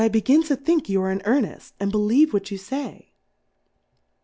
<Jp begin to think you are in earneft, and believe what you fay.